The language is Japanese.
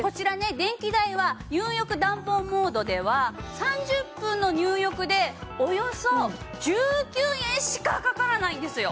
電気代は入浴暖房モードでは３０分の入浴でおよそ１９円しかかからないんですよ。